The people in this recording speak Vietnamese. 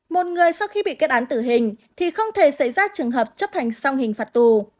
một người sau khi bị kết án tử hình thì không thể xảy ra trường hợp chấp hành xong hình phạt tù